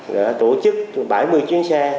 đã tổ chức bảy mươi chuyến xe